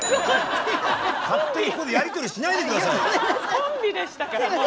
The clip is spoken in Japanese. コンビでしたからもう。